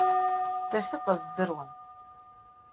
Дахьыҟаз здыруан.